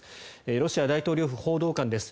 ロシア大統領府報道官です。